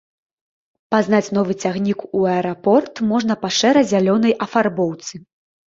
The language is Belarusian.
Пазнаць новы цягнік у аэрапорт можна па шэра-зялёнай афарбоўцы.